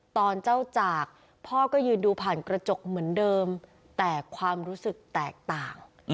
ตอนเจ้าจากพ่อก็ยืนดูผ่านกระจกเหมือนเดิมแต่ความรู้สึกแตกต่าง